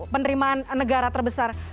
penerimaan negara terbesar